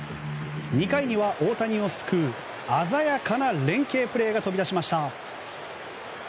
２回には大谷を救う鮮やかな連係プレーが飛び出しました。